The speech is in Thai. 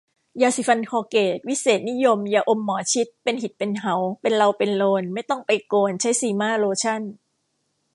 ยาสีฟันคอลเกต วิเศษนิยม ยาอมหมอชิต เป็นหิดเป็น เหา เป็นเลาเป็นโลน ไม่ต้องไปโกน ใช้ซีม่าโลชั่น